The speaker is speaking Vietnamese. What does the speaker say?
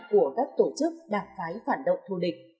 của các tổ chức đảng phái phản động thù địch